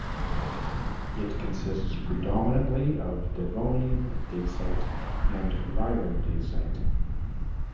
It consists predominantly of Devonian dacite and rhyodacite.